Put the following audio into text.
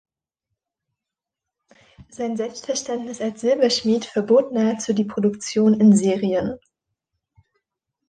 Sein Selbstverständnis als Silberschmied verbot nahezu die Produktion in Serien.